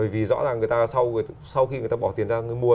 vì rõ ràng người ta sau khi người ta bỏ tiền ra người mua